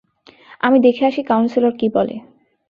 আমি দেখে আসি কাউন্সেলর কি বলে।